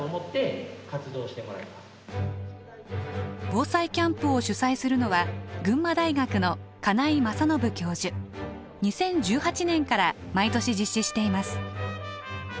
防災キャンプを主宰するのは２０１８年から毎年実施しています。